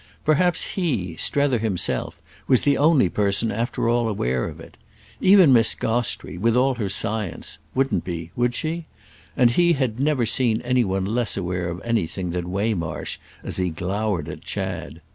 Perhaps he, Strether himself, was the only person after all aware of it. Even Miss Gostrey, with all her science, wouldn't be, would she?—and he had never seen any one less aware of anything than Waymarsh as he glowered at Chad.